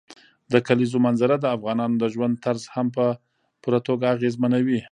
د کلیزو منظره د افغانانو د ژوند طرز هم په پوره توګه اغېزمنوي.